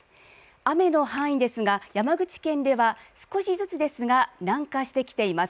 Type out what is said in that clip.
雨の範囲ですが、山口県では少しずつですが南下してきています。